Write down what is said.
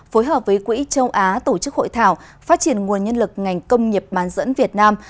phối hợp với quỹ châu á tổ chức hội thảo phát triển nguồn nhân lực ngành công nghiệp bán dẫn việt nam